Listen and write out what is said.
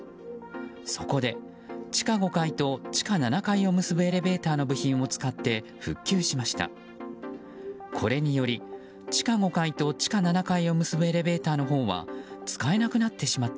そこで、地下５階と地下７階を結ぶエレベーターの部品を使って復旧しました。